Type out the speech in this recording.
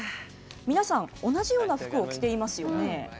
皆さん、同じような服を着ていますよね。